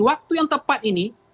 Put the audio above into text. waktu yang tepat ini